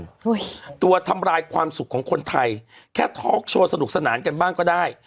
ด้วยตัวทำลายความสุขของคนไทยแค่ทอล์กโชว์สนุกสนานกันบ้างก็ได้